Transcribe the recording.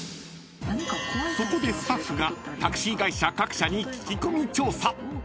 ［そこでスタッフがタクシー会社各社に聞き込み調査］